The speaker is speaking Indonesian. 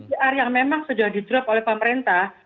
lpcr yang memang sudah didrop oleh pemerintah